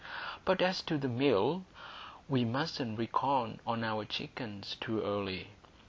But as to this Mill, we mustn't reckon on our chickens too early.